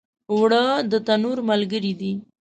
اوړه د تنور ملګری دي